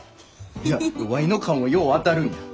いやワイの勘はよう当たるんや。